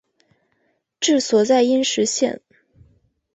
治所在阴石县。